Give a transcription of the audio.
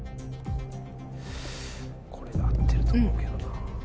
これで合ってると思うけどな。